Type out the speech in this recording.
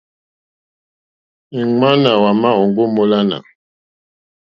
Ìŋwánà wà má òŋɡô múlánà.